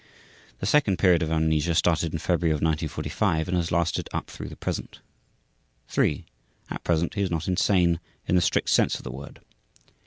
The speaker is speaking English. The second period of amnesia started in February of 1945 and has lasted up through the present. 3. At present, he is not insane in the strict sense of the word.